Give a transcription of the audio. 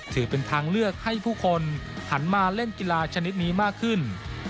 ถือเป็นทางเลือกให้ผู้คนหันมาเล่นกีฬาชนิดนี้มากขึ้น